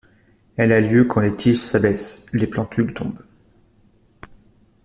Elle a lieu quand les tiges s'abaissent, les plantules tombent.